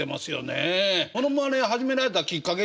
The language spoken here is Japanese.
モノマネ始められたきっかけ